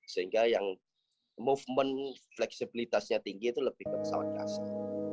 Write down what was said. sehingga yang movement fleksibilitasnya tinggi itu lebih ke pesawat kasar